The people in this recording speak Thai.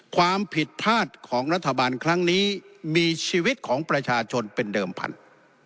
ความผิดพลาดของรัฐบาลครั้งนี้มีชีวิตของประชาชนเป็นเดิมพันธุ์